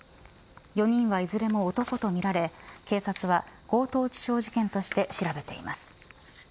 ４人は、いずれも男とみられ警察は強盗致傷事件として調べています。